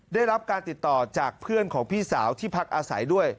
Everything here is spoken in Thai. ได้รับการติดต่อจากเพื่อนของพี่สาวที่พักอาศัยด้วย